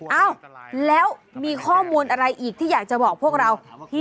เอ้าแล้วมีข้อมูลอะไรอีกที่อยากจะบอกพวกเรา